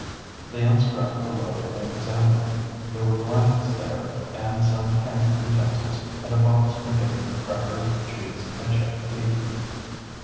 They unstrapped the load and examined it. There were blankets there and some camp utensils, and a box containing crackers, cheese, and chipped beef.